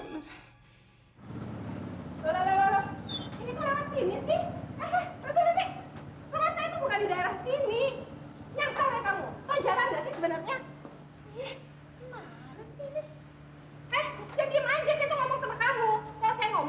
loh loh loh ini tuh lewat sini sih